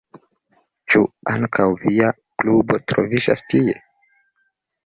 Ĉu ankaŭ via klubo troviĝas tie?